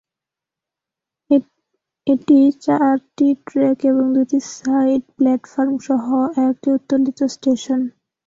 এটি চারটি ট্র্যাক এবং দুটি সাইড প্ল্যাটফর্ম সহ একটি উত্তোলিত স্টেশন।